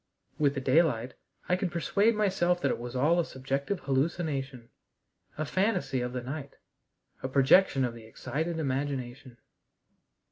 With the daylight I could persuade myself that it was all a subjective hallucination, a fantasy of the night, a projection of the excited imagination.